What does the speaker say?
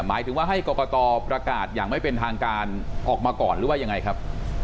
หมายถึงว่าให้กรกตประกาศอย่างไม่เป็นทางการออกมาก่อนหรือว่ายังไงครับ